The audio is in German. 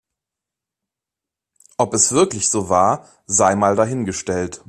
Ob es wirklich so war, sei mal dahingestellt.